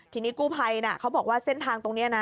ที่นี้กู้ไพเขาบอกเส้นทางตรงนี้